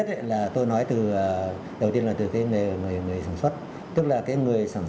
để phòng đến khả năng